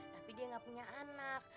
tapi dia nggak punya anak